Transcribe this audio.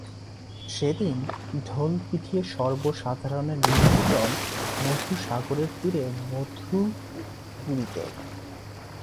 সেদিন ঢোল পিটিয়ে সর্বসাধারণের নিমন্ত্রণ মধুসাগরের তীরে মধুপুরীতে।